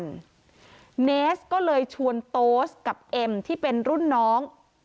เนสก็เลยชวนโต๊สกับเอ็มที่เป็นรุ่นน้อง